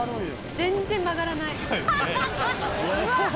全然曲がらない。